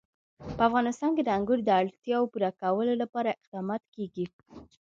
په افغانستان کې د انګور د اړتیاوو پوره کولو لپاره اقدامات کېږي.